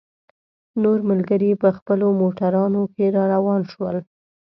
نور ملګري په خپلو موټرانو کې را روان شول.